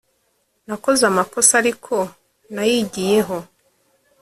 nakoze amakosa ariko nayigiyeho,